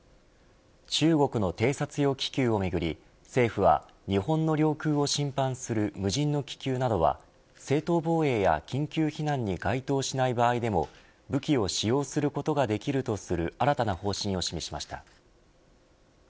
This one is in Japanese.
中国の偵察用気球をめぐり政府は日本の領空を侵犯する無人の気球などは正当防衛や緊急避難に該当しない場合でも、武器を使用することができるとする新たな方針を示しました。